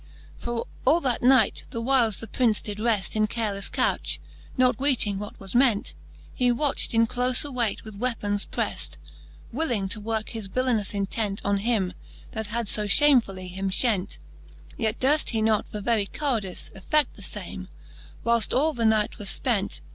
XLIV. For all that night, the whyles the Prince did reft In carelefle couch, not weeting what was ment, He watcht in clofe awayt with weapons preft, Willing to work his villenous intent On him, that had fo fhamefully him fhent :* Yet durft he not for very cowardize Effedl the fame, why left all the night was fpent.